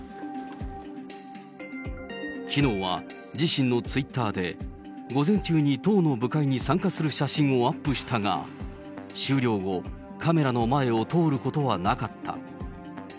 きのうは自身のツイッターで、午前中に党の部会に参加する写真をアップしたが、終了後、カメラの前を通ることはなかった。